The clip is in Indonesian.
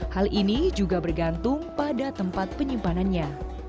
hal ini juga bergantung pada tempat penyimpanannya